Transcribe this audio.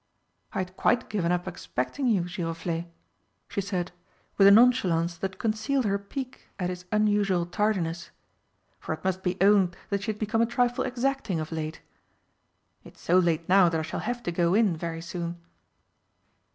"I'd quite given up expecting you, Giroflé," she said, with a nonchalance that concealed her pique at his unusual tardiness for it must be owned that she had become a trifle exacting of late. "It's so late now that I shall have to go in very soon."